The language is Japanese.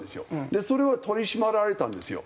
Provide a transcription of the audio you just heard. でそれは取り締まられたんですよ。